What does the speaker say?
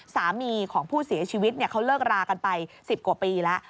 สามีของผู้เสียชีวิตเขาเลิกรากันไป๑๐กว่าปีแล้ว